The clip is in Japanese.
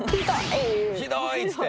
「ひどい！」っつって。